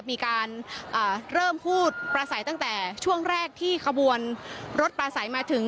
มีการเริ่มพูดประสัยตั้งแต่ช่วงแรกที่ขบวนรถปลาใสมาถึง